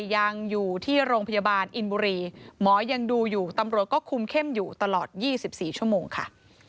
ยังอยู่ที่โรงพยาบาลอินบุรีหมอยังดูอยู่ตำรวจก็คุมเข้มอยู่ตลอด๒๔ชั่วโมงค่ะ